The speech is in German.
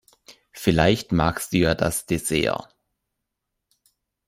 Vielleicht magst du ja das Dessert?